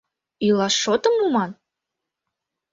Илаш шотым муман?